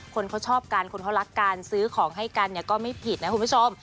คนเขาชอบกันคนเขารักการซื้อของให้กันเนี่ยก็ไม่ผิดนะคุณผู้ชม